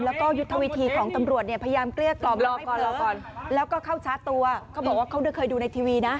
แล้วก็ยุทธวิธีของตำรวจเนี่ยพยายามเกลี้ยกล่อมแล้วก็เข้าช้าตัวเค้าบอกว่าเคยดูในทีวีนะ